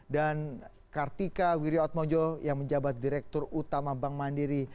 dan kartika wiryotmojo yang menjabat direktur utama bank mandiri